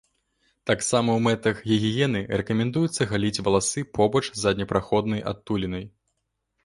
Таксама ў мэтах гігіены рэкамендуецца галіць валасы побач з заднепраходнай адтулінай.